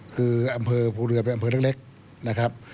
คืออำเภอภูเรือเป็นอำเภอเล็กนะครับ